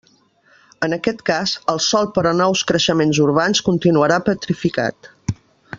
En aquest cas, el sòl per a nous creixements urbans continuarà petrificat.